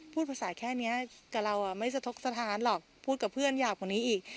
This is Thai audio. พูดภาษาแค่นี้กับเราไม่สะทกสถานหรอกพูดกับเพื่อนอยากกว่านี้อีก